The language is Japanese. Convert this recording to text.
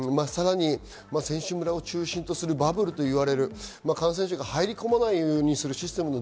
選手村を中心とするバブルといわれる感染者が入り込まないようにしないようなシステムにも。